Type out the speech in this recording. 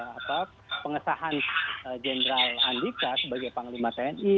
nah kita ingin mengucapkan kepada general andika sebagai panglima tni